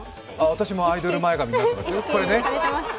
私もアイドル前髪になってます？